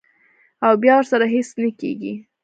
او بیا ورسره هېڅ نۀ کيږي -